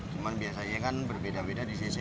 cuman biasanya kan berbeda beda di cc